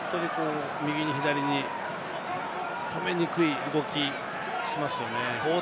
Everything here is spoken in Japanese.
右に左に止めにくい動きをしますよね。